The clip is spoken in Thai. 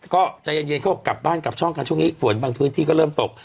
ก็ใจเย็นก็กลับบ้านกลับช่องกันช่วงนี้ฝนบางพื้นที่ก็เริ่มตก